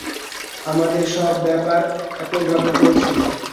আমাদের সব ব্যাপার একই-ভাবে চলছে।